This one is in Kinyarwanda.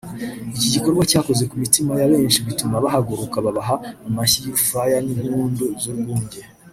Iki gikorwa cyakoze ku mitima ya benshi bituma bahaguruka babaha amashyi y’urufaya n’impundu z’urwunge